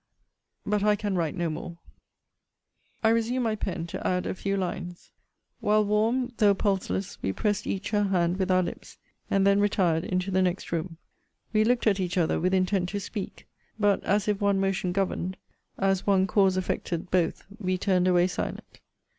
But I can write no more! I resume my pen to add a few lines. While warm, though pulseless, we pressed each her hand with our lips; and then retired into the next room. We looked at each other, with intent to speak: but, as if one motion governed, as one cause affected both, we turned away silent.